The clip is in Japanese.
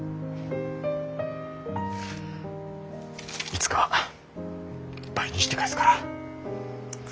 いつか倍にして返すから。